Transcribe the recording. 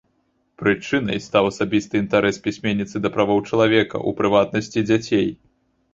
Прычынай стаў асабісты інтарэс пісьменніцы да правоў чалавека, у прыватнасці дзяцей.